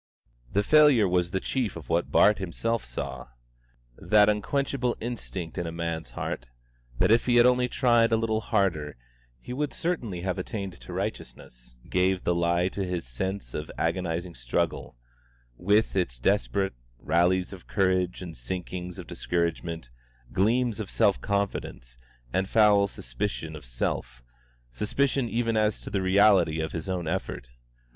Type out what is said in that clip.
The failure was the chief of what Bart himself saw. That unquenchable instinct in a man's heart that if he had only tried a little harder he would certainly have attained to righteousness gave the lie to his sense of agonising struggle, with its desperate, rallies of courage and sinkings of discouragement, gleams of self confidence, and foul suspicion of self, suspicion even as to the reality of his own effort.